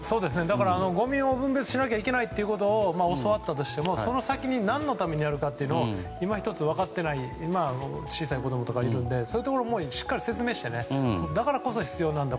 ごみの分別をしないといけないと教わったとしてもその先に何のためにやるかをいま一つ分かっていない小さい子供とかいるのでそういったことしっかり説明してだからこそ必要なんだ。